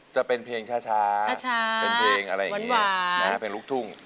จะเป็นเพลงช้าเป็นเพลงอะไรอย่างนี้เพลงลูกทุ่ง